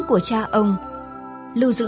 của cha ông lưu giữ